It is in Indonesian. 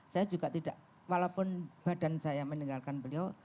saya juga tidak walaupun badan saya meninggalkan beliau